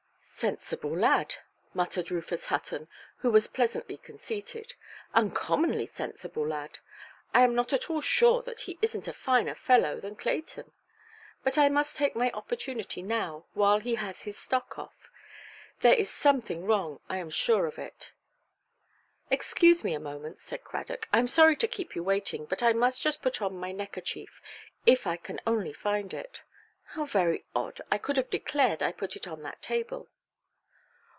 "Sensible lad", muttered Rufus Hutton, who was pleasantly conceited—"uncommonly sensible lad! I am not at all sure that he isnʼt a finer fellow than Clayton. But I must take my opportunity now, while he has his stock off. There is something wrong: I am sure of it". "Excuse me a moment", said Cradock; "I am sorry to keep you waiting, but I must just put on my neckerchief, if I can only find it. How very odd! I could have declared I put it on that table".